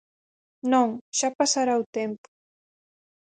Non, xa pasara o tempo.